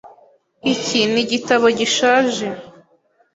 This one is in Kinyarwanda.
Iki ni igitabo gishaje .